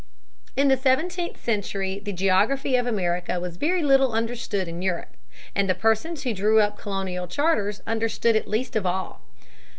In the seventeenth century the geography of America was very little understood in Europe and the persons who drew up colonial charters understood it least of all.